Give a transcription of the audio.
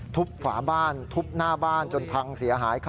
ฝาบ้านทุบหน้าบ้านจนพังเสียหาย